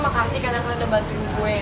makasih karena kalian tuh bantuin gue